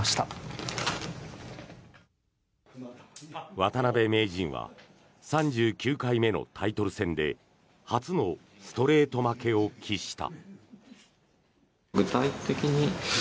渡辺名人は３９回目のタイトル戦で初のストレート負けを喫した。